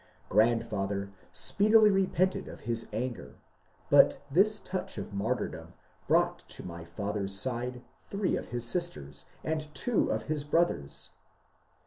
Grandfather speedily repented of his anger, but this touch of martyrdom brought to my father's side three of his sisters and two of his brothers.